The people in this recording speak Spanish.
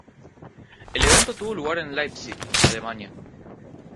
El evento tuvo lugar en Leipzig, Alemania.